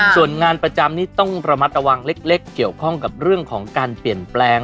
ส่วนงานประจำนี้ต้องระมัดระวังเล็กเกี่ยวข้องกับเรื่องของการเปลี่ยนแปลง